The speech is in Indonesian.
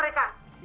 lalu gimana mereka